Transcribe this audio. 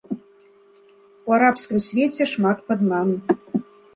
У арабскім свеце шмат падману.